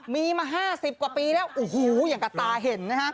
มีมา๕๐กว่าปีแล้วอย่างกับตาเห็น